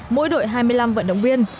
mỗi đội hai mươi năm vận động viên